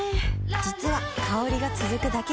実は香りが続くだけじゃない